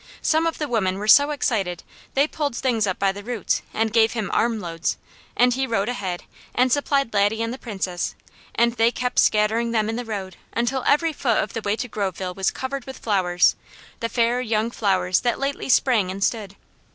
some of the women were so excited they pulled things up by the roots and gave him armloads, and he rode ahead and supplied Laddie and the Princess, and they kept scattering them in the road until every foot of the way to Groveville was covered with flowers, "the fair young flowers that lately sprang and stood."